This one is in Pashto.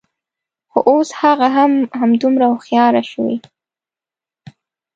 خو، اوس هغه هم همدومره هوښیاره شوې